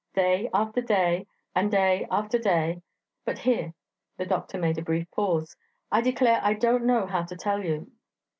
Day after day, and day after day ... but ... here..." (The doctor made a brief pause.) "I declare I don't know how to tell you."...